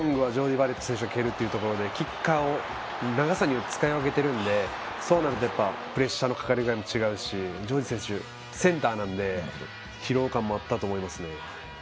バレット選手が蹴るというところでキッカーを長さによって使い分けているのでそうなるとプレッシャーのかかり具合も違うしジョーディー選手はセンターなので疲労感もあったと思います。